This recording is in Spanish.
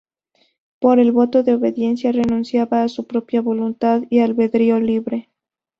Por el voto de obediencia renunciaba a su propia voluntad y albedrío libre.